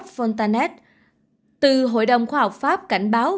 arnaud fontanet từ hội đồng khoa học pháp cảnh báo